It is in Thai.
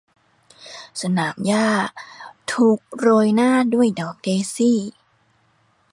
สนามหญ้าถูกโรยหน้าด้วยดอกเดซี่